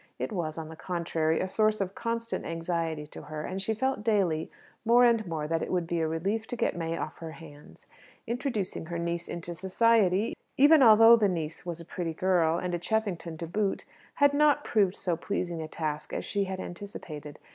It was, on the contrary, a source of constant anxiety to her; and she felt daily more and more that it would be a relief to get May off her hands. Introducing her niece into society even although the niece was a pretty girl, and a Cheffington to boot had not proved so pleasing a task as she had anticipated.